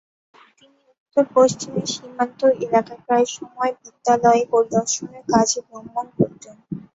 তিনি উত্তর-পশ্চিমের সীমান্ত এলাকায় প্রায় সময় বিদ্যালয় পরিদর্শনের কাজে ভ্রমণ করতেন।